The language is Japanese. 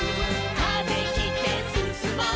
「風切ってすすもう」